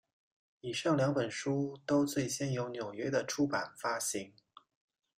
以上两本书都最先由纽约的出版发行。